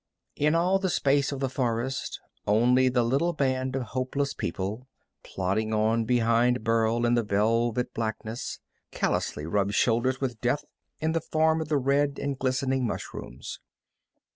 In all the space of the forest, only the little band of hopeless people, plodding on behind Burl in the velvet blackness, callously rubbed shoulders with death in the form of the red and glistening mushrooms.